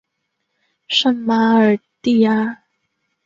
圣马尔蒂阿。